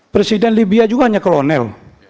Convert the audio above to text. presiden libya juga hanya kolonel